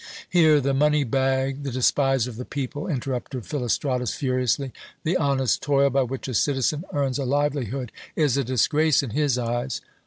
"Hear the money bag, the despiser of the people!" interrupted Philostratus furiously. "The honest toil by which a citizen earns a livelihood is a disgrace in his eyes."